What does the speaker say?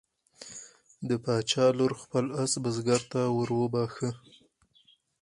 د باچا لور خپل آس بزګر ته وروبخښه.